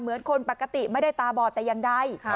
เหมือนคนปกติไม่ได้ตาบอดแต่อย่างใด